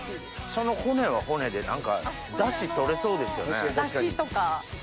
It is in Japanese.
その骨は骨で何か出汁取れそうですよね。